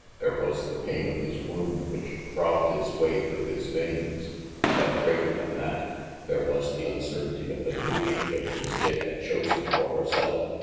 There was the pain of his wound which throbbed its way through his veins, but greater than that, there was the uncertainty of the future which Miss Dick had chosen for herself.